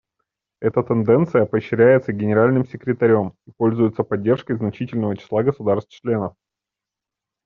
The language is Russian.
Эта тенденция поощряется Генеральным секретарем и пользуется поддержкой значительного числа государств-членов.